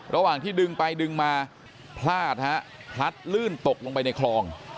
ระหว่างที่ดึงไปดึงมาพลาดฮะพลัดลื่นตกลงไปในคลอง